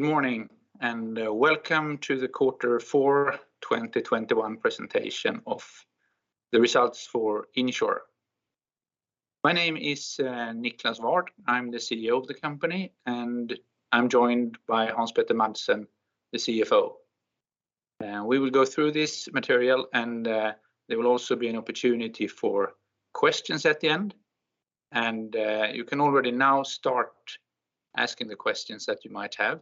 Good morning, and welcome to the quarter for 2021 presentation of the results for Insr. My name is Niclas Ward. I'm the CEO of the company, and I'm joined by Hans-Petter Madsen, the CFO. We will go through this material, and there will also be an opportunity for questions at the end. You can already now start asking the questions that you might have.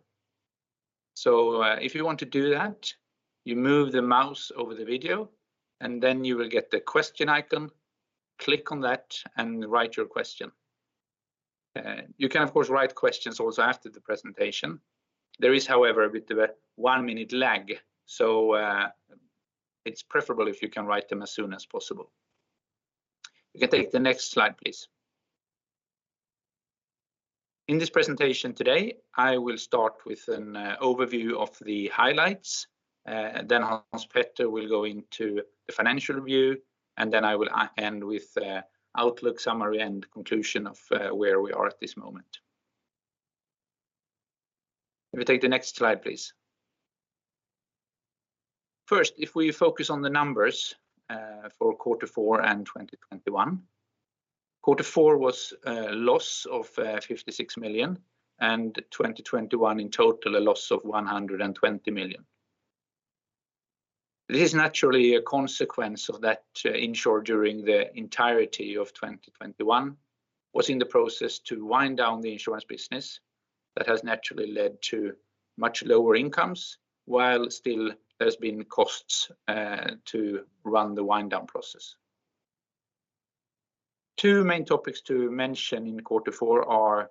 If you want to do that, you move the mouse over the video, and then you will get the question icon, click on that, and write your question. You can of course write questions also after the presentation. There is, however, a bit of a one-minute lag, so it's preferable if you can write them as soon as possible. You can take the next slide, please. In this presentation today, I will start with an overview of the highlights, and then Hans-Petter will go into the financial review, and then I will end with the outlook summary and conclusion of where we are at this moment. If you take the next slide, please. First, if we focus on the numbers for quarter four and 2021, quarter four was a loss of 56 million, and 2021 in total a loss of 120 million. This is naturally a consequence of that Insr during the entirety of 2021 was in the process to wind down the insurance business that has naturally led to much lower incomes, while still there's been costs to run the wind down process. Two main topics to mention in quarter four are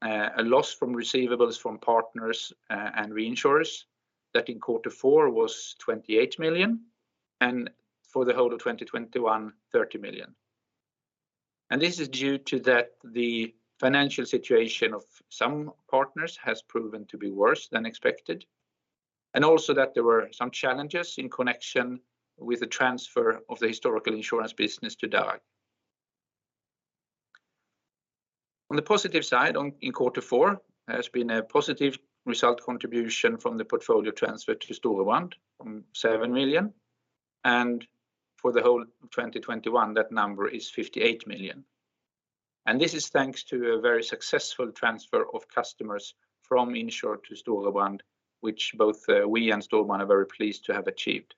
a loss from receivables from partners and reinsurers that in quarter four was 28 million and for the whole of 2021, 30 million. This is due to that the financial situation of some partners has proven to be worse than expected, and also that there were some challenges in connection with the transfer of the historical insurance business to Darag. On the positive side, in quarter four, has been a positive result contribution from the portfolio transfer to Storebrand, 7 million, and for the whole of 2021, that number is 58 million. This is thanks to a very successful transfer of customers from Insr to Storebrand, which both we and Storebrand are very pleased to have achieved.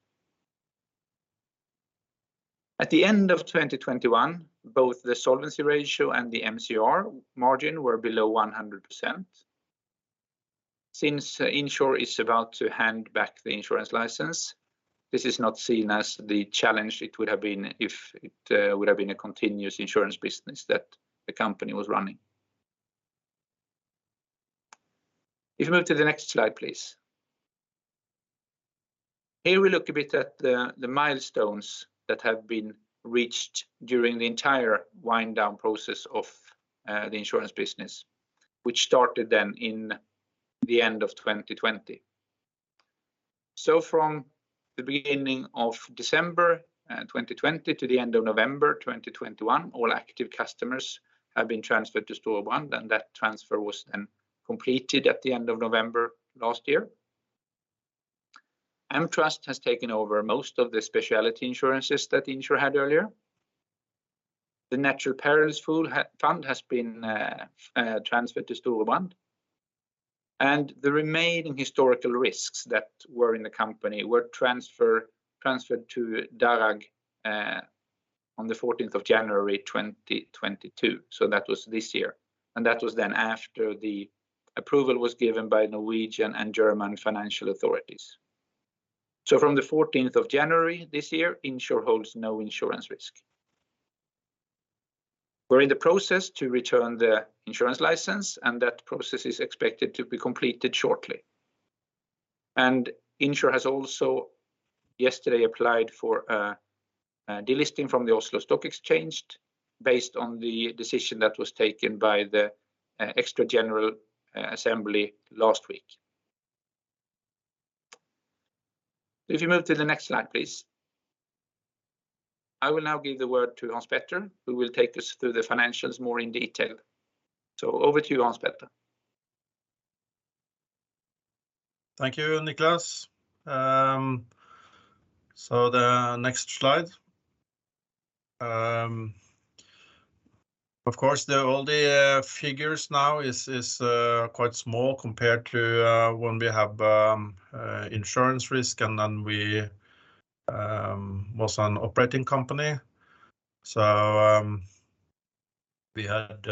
At the end of 2021, both the solvency ratio and the MCR margin were below 100%. Since Insr is about to hand back the insurance license, this is not seen as the challenge it would have been if it would have been a continuous insurance business that the company was running. If you move to the next slide, please. Here we look a bit at the milestones that have been reached during the entire wind down process of the insurance business, which started then in the end of 2020. From the beginning of December 2020 to the end of November 2021, all active customers have been transferred to Storebrand, and that transfer was then completed at the end of November last year. AmTrust has taken over most of the specialty insurances that Insr had earlier. The Norwegian Natural Perils Pool has been transferred to Storebrand. The remaining historical risks that were in the company were transferred to Darag on the 14th of January 2022. That was this year, and that was then after the approval was given by Norwegian and German financial authorities. From the 14th of January this year, Insr holds no insurance risk. We're in the process to return the insurance license, and that process is expected to be completed shortly. Insr has also yesterday applied for a delisting from the Oslo Stock Exchange based on the decision that was taken by the extraordinary general assembly last week. If you move to the next slide, please. I will now give the word to Hans-Petter, who will take us through the financials more in detail. Over to you, Hans-Petter. Thank you, Niclas. The next slide. Of course, all the figures now is quite small compared to when we have insurance risk and then we was an operating company. We had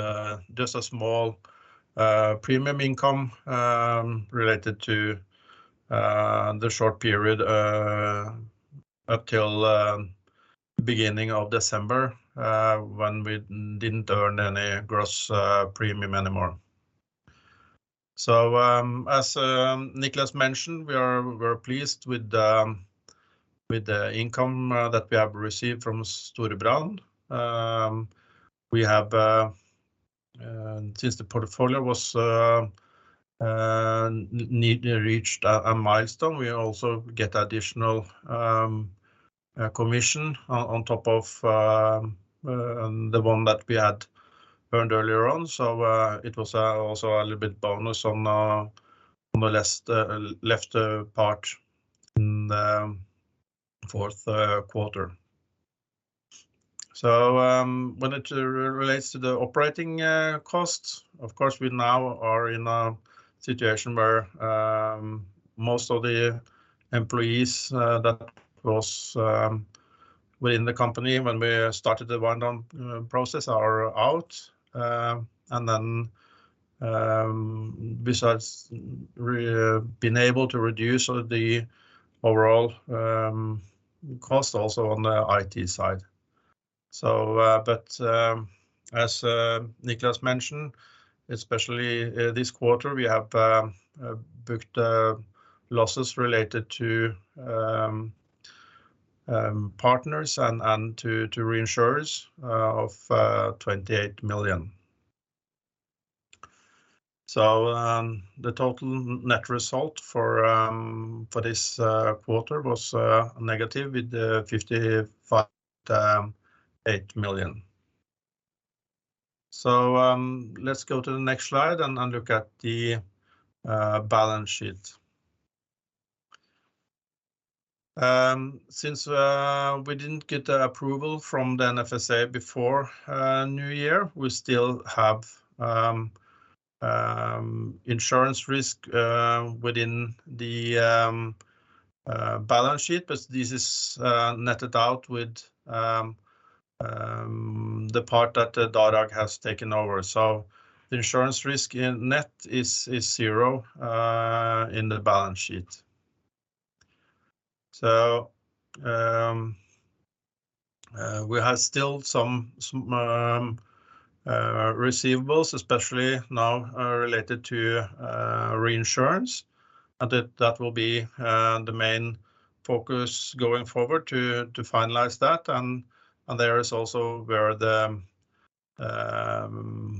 just a small premium income related to the short period until beginning of December when we didn't earn any gross premium anymore. As Niclas mentioned, we're pleased with the income that we have received from Storebrand. We have, since the portfolio has reached a milestone, we also get additional commission on top of the one that we had earned earlier on. It was also a little bit bonus on the last leg of the fourth quarter. When it relates to the operating costs, of course, we now are in a situation where most of the employees that was within the company when we started the wind-down process are out, besides being able to reduce the overall cost also on the IT side. As Niclas mentioned, especially this quarter, we have booked losses related to partners and to reinsurers of NOK 28 million. The total net result for this quarter was negative with 58 million. Let's go to the next slide and look at the balance sheet. Since we didn't get the approval from the NFSA before New Year, we still have insurance risk within the balance sheet. This is netted out with the part that Darag has taken over. The insurance risk in net is zero in the balance sheet. We have still some receivables, especially now related to reinsurance, and that will be the main focus going forward to finalize that, and there is also where the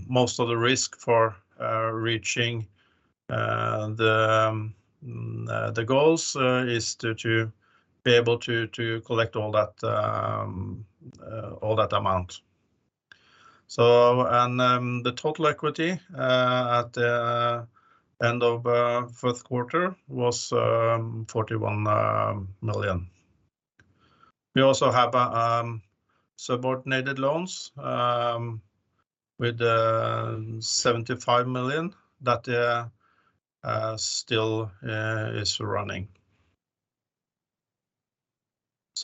most of the risk for reaching the goals is to be able to collect all that amount. The total equity at the end of fourth quarter was 41 million. We also have subordinated loans with NOK 75 million that still is running.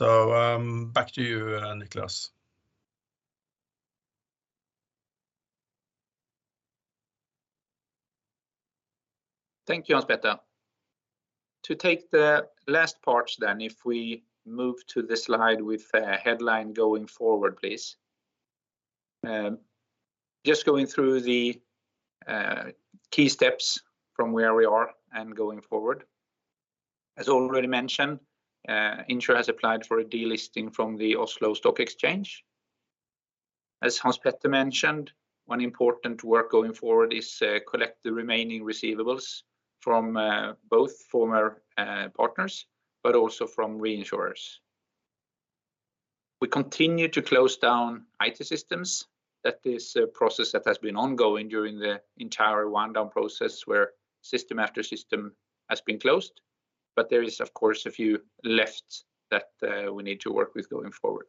Back to you, Niclas. Thank you, Hans-Petter. To take the last part then, if we move to the slide with the headline going forward, please. Just going through the key steps from where we are and going forward. As already mentioned, Insr has applied for a delisting from the Oslo Stock Exchange. As Hans-Petter mentioned, one important work going forward is collect the remaining receivables from both former partners, but also from reinsurers. We continue to close down IT systems. That is a process that has been ongoing during the entire wind down process, where system after system has been closed. But there is of course a few left that we need to work with going forward.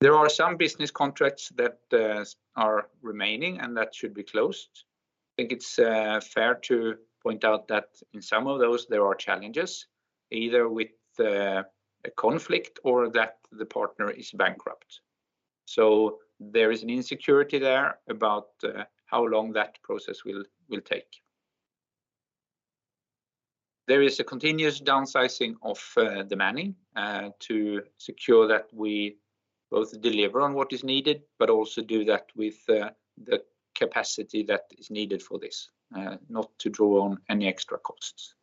There are some business contracts that are remaining and that should be closed. I think it's fair to point out that in some of those there are challenges either with a conflict or that the partner is bankrupt. There is an uncertainty there about how long that process will take. There is a continuous downsizing of the manning to secure that we both deliver on what is needed, but also do that with the capacity that is needed for this not to draw on any extra costs.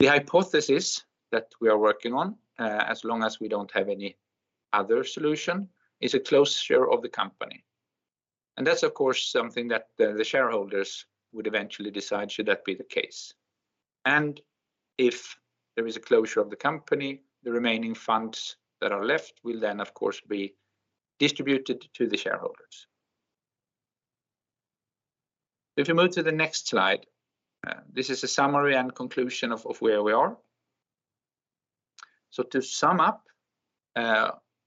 The hypothesis that we are working on, as long as we don't have any other solution, is a closure of the company. That's of course something that the shareholders would eventually decide, should that be the case. If there is a closure of the company, the remaining funds that are left will then of course be distributed to the shareholders. If you move to the next slide, this is a summary and conclusion of where we are. To sum up,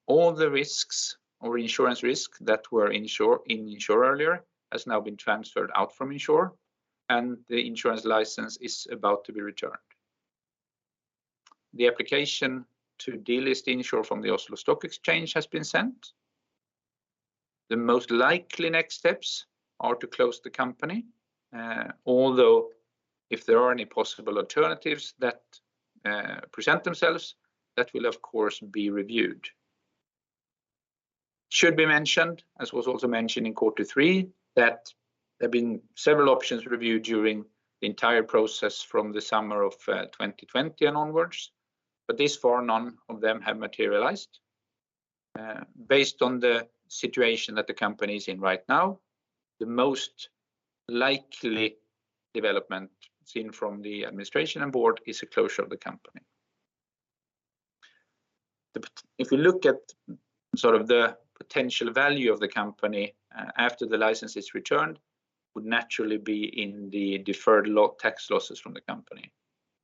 all the risks or insurance risk that were in Insr earlier has now been transferred out from Insr and the insurance license is about to be returned. The application to delist Insr from the Oslo Stock Exchange has been sent. The most likely next steps are to close the company. Although if there are any possible alternatives that present themselves, that will of course be reviewed. should be mentioned, as was also mentioned in quarter three, that there have been several options reviewed during the entire process from the summer of 2020 and onwards, but thus far none of them have materialized. Based on the situation that the company is in right now, the most likely development seen from the administration and board is a closure of the company. If you look at sort of the potential value of the company after the license is returned, it would naturally be in the deferred tax losses from the company.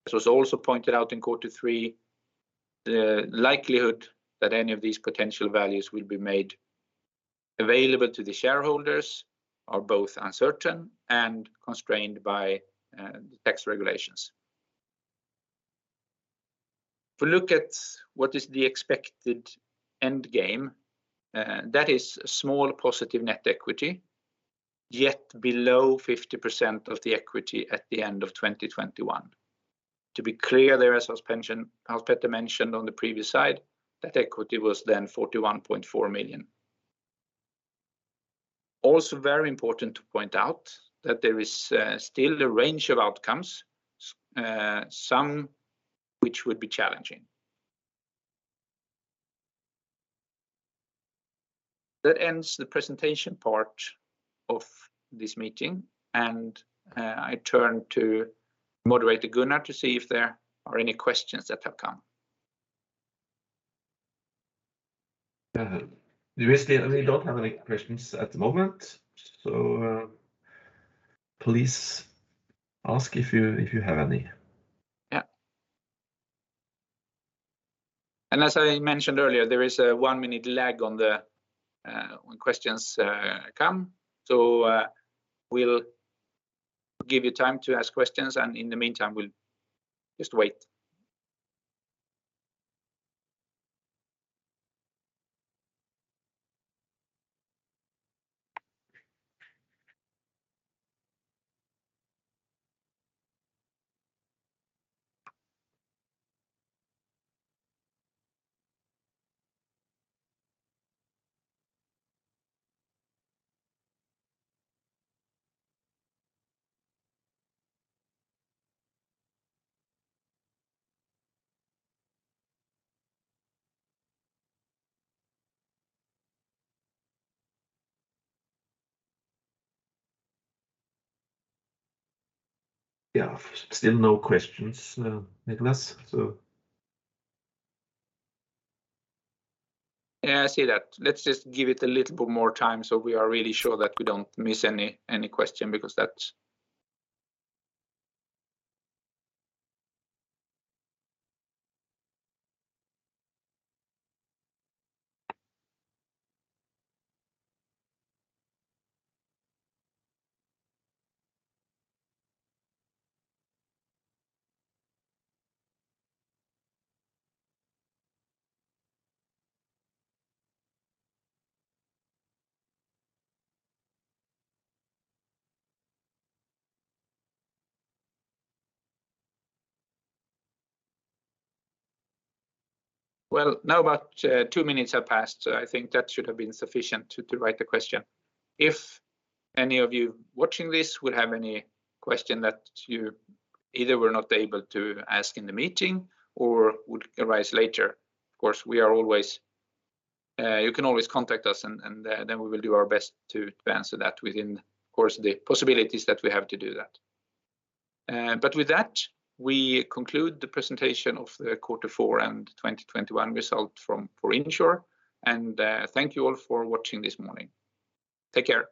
This was also pointed out in quarter three that the likelihood that any of these potential values will be made available to the shareholders are both uncertain and constrained by the tax regulations. If we look at what is the expected end game, that is a small positive net equity, yet below 50% of the equity at the end of 2021. To be clear there, as Petter mentioned on the previous slide, that equity was then 41.4 million. Also very important to point out that there is still a range of outcomes, some which would be challenging. That ends the presentation part of this meeting, and I turn to moderator Gunnar to see if there are any questions that have come. We don't have any questions at the moment, so please ask if you have any. Yeah. As I mentioned earlier, there is a one-minute lag on when questions come, so we'll give you time to ask questions and in the meantime we'll just wait. Yeah, still no questions, Niclas, so. Yeah, I see that. Let's just give it a little bit more time so we are really sure that we don't miss any question because that's well, now about two minutes have passed, so I think that should have been sufficient to write the question. If any of you watching this would have any question that you either were not able to ask in the meeting or would arise later, of course, you can always contact us and then we will do our best to answer that within, of course, the possibilities that we have to do that. With that, we conclude the presentation of the quarter four and 2021 results for Insr, and thank you all for watching this morning. Take care.